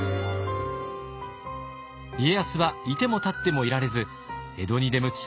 家康はいてもたってもいられず江戸に出向き